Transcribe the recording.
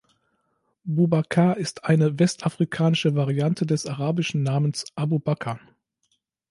Boubacar ist eine westafrikanische Variante des arabischen Namens Abu Bakr.